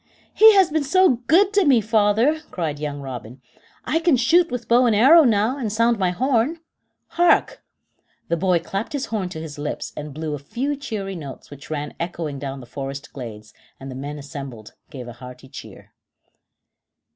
"He has been so good to me, father," cried young Robin. "I can shoot with bow and arrow now, and sound my horn. Hark!" The boy clapped his horn to his lips and blew a few cheery notes which ran echoing down the forest glades, and the men assembled gave a hearty cheer.